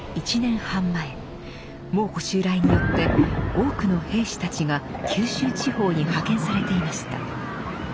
蒙古襲来によって多くの兵士たちが九州地方に派遣されていました。